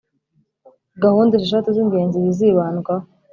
gahunda esheshatu z'ingenzi zizibandwaho